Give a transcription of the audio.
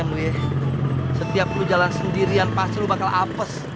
jalan sendirian weh setiap lo jalan sendirian pasti lo bakal apes